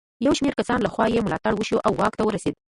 د یو شمېر کسانو له خوا یې ملاتړ وشو او واک ته ورسېد.